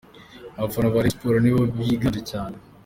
Abafana ba Rayon Sports nibo biganje cyane.